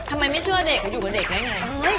ทำไมไม่เชื่อเด็กอยู่กับเด็กได้ไง